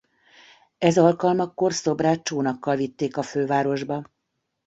Ez alkalmakkor szobrát csónakkal vitték a fővárosba.